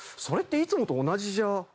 それっていつもと同じじゃ。